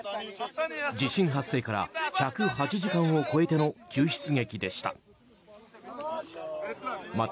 地震発生から１０８時間を超えての救出劇でした。